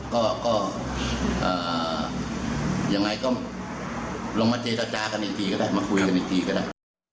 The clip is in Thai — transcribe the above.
ก็อย่างไรก็ลงมาเจตะจากนะครับ